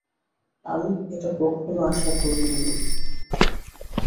এটা কখনো আশা করিনি।